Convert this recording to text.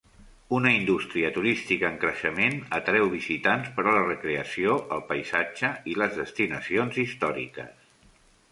Una indústria turística en creixement atreu visitants per a la recreació, el paisatge i les destinacions històriques.